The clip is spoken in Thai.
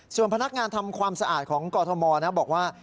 ส่วนพนักงานทำความสะอาดของกรทมบอกว่า